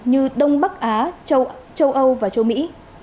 như đông bắc á châu âu và châu mỹ